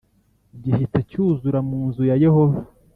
gihita cyuzura mu nzu ya Yehova